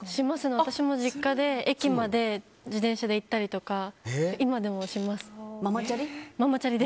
私も実家で駅まで自転車で行ったりとかママチャリ？